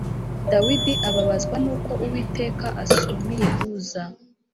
Dawidi ababazwa n’uko Uwiteka asumiye Uza.